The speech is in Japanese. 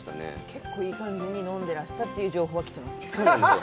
結構いい感じに飲んでらしたという情報は来ています。